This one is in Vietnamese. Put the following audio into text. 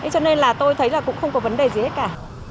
cho nên là tôi thấy là cũng không có vấn đề gì hết cả